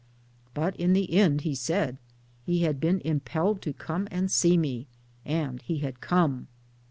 But in the end, he said, he had been impelled to come and see 'me, and he had come.